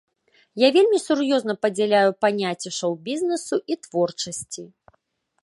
Я вельмі сур'ёзна падзяляю паняцці шоу-бізнесу і творчасці.